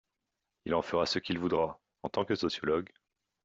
il en fera ce qu'il voudra, en tant que sociologue...